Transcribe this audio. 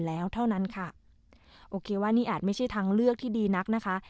แล้วเท่านั้นค่ะโอเคว่านี่อาจไม่ใช่ทางเลือกที่ดีนักนะคะ